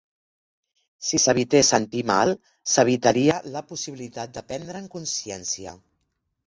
Si s'evités sentir mal, s'evitaria la possibilitat de prendre'n consciència.